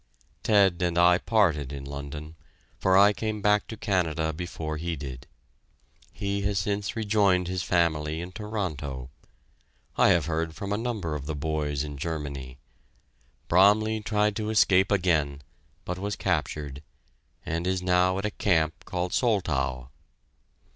Ted and I parted in London, for I came back to Canada before he did. He has since rejoined his family in Toronto. I have heard from a number of the boys in Germany. Bromley tried to escape again, but was captured, and is now at a camp called Soltau.